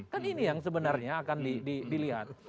kan ini yang sebenarnya akan dilihat